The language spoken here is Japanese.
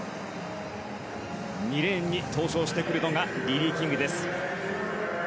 ２レーンに登場してくるのがリリー・キングです。